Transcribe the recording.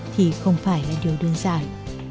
thì không phải là điều đơn giản